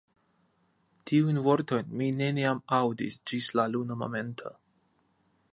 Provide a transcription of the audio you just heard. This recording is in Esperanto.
Tiujn vortojn mi neniam aŭdis ĝis la nuna momento.